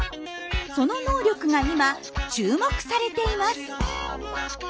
その能力が今注目されています。